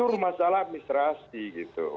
tentu masalah administrasi gitu